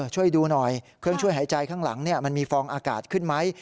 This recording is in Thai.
ช่วยดูหน่อยเครื่องช่วยหายใจข้างหลังมันมีฟองอากาศขึ้นไหม